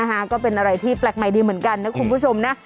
ก็เป็นอะไรที่แปลกใหม่ดีเหมือนกันนะคุณผู้ชมนะ